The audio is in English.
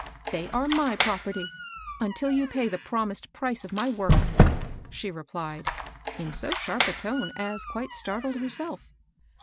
" They are my property, until you pay the promised price of my work," she replied, in so sharp a tone as quite startled herself.